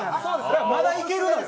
だからまだいけるのよ！